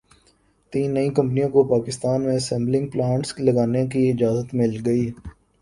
تین نئی کمپنیوں کو پاکستان میں اسمبلنگ پلانٹس لگانے کی اجازت مل گئی